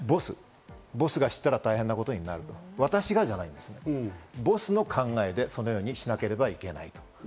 ボスが知ったら大変なことになると、私じゃなくボスの考えでそのようにしなければいけないと。